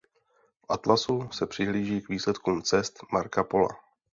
V atlasu se přihlíží k výsledkům cest Marca Pola.